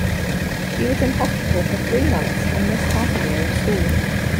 She was in hospital for three months and missed half a year of school.